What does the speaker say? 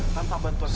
tanpa bantuan saya